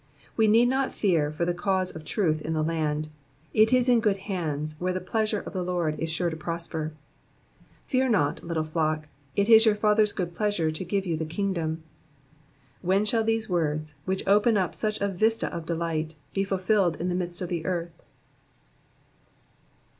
We need not fear for the cause of truth in the land ; it is in good hands, where the pleasure of the Lord is sure to prosper. '' Fear not, little tiock, it is your Father's good pleasure to give you the kingdom." When shall these words, which open up such a vista of delight, be fulfilled in the midst of the earth